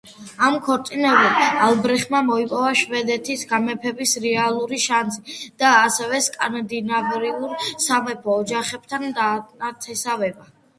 ამ ქორწინებით ალბრეხტმა მოიპოვა შვედეთში გამეფების რეალური შანსი და ასევე სკანდინავიურ სამეფო ოჯახებთან დანათესავება.